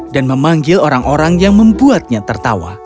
dan memanggil orang orang yang membuatnya tertawa